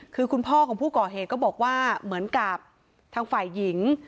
คือคุณพ่อของผู้ก่อเหตุก็บอกว่าเหมือนกับทางฝ่ายหญิง